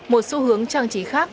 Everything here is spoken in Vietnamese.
một xu hướng trang trí khác